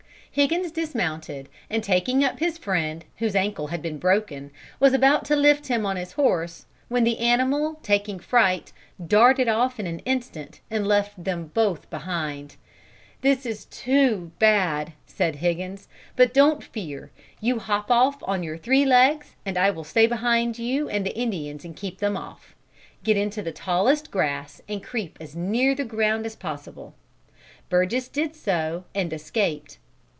"Higgins dismounted, and taking up his friend, whose ankle had been broken, was about to lift him on his horse, when the animal, taking fright, darted off in an instant and left them both behind. 'This is too bad,' said Higgins, 'but don't fear. You hop off on your three legs and I will stay behind between you and the Indians and keep them off. Get into the tallest grass and creep as near the ground as possible.' Burgess did so and escaped.